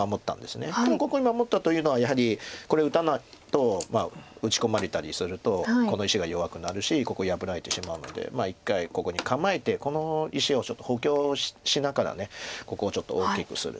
ここに守ったというのはやはりこれ打たないと打ち込まれたりするとこの石が弱くなるしここ破られてしまうので１回ここに構えてこの石をちょっと補強しながらここをちょっと大きくする。